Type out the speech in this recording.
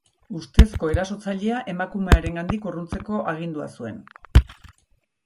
Ustezko erasotzailea emakumearengandik urruntzeko agindua zuen.